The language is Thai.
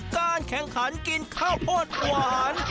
การแข่งขันกินข้าวโพดหวาน